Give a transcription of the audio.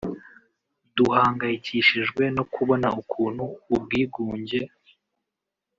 Duhangayikishijwe no kubona ukuntu ubwigunge